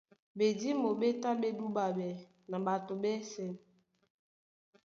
Ɓedímo ɓé tá ɓé dúɓáɓɛ́ na ɓato ɓɛ́sɛ̄.